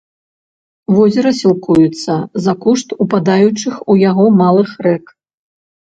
Возера сілкуецца за кошт упадаючых у яго малых рэк.